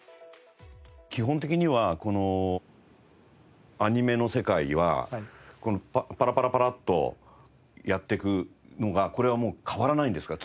基本的にはこのアニメの世界はパラパラパラッとやっていくのがこれはもう変わらないんですか？